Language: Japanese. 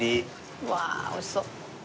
うわあおいしそう。